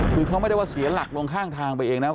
คือเขาไม่ได้ว่าเสียหลักลงข้างทางไปเองนะ